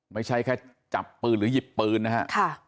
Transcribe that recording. ไม่ใช่แค่จับปืนหรือหยิบปืนนะฮะ